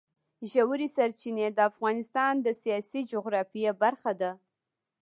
ژورې سرچینې د افغانستان د سیاسي جغرافیه برخه ده.